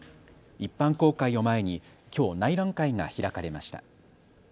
一般公開を前にきょう、内覧会が開かれました。